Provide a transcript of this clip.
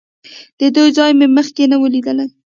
د دوی ځای مې مخکې نه و لیدلی.